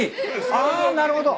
あなるほど。